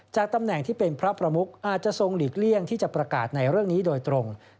ตำแหน่งที่เป็นพระประมุกอาจจะทรงหลีกเลี่ยงที่จะประกาศในเรื่องนี้โดยตรง